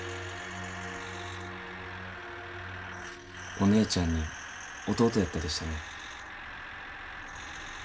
お姉ちゃんに弟やったでしたね。